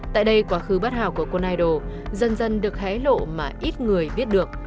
tại đây quá khứ bất hảo của quân idol dần dần được hé lộ mà ít người biết được